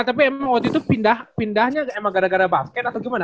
tapi emang waktu itu pindahnya emang gara gara basket atau gimana